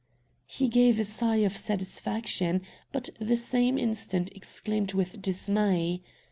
He gave a sigh of satisfaction, but the same instant exclaimed with dismay.